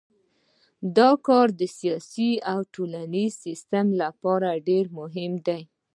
دا کار د سیاسي او ټولنیز سیستم لپاره ډیر مهم دی.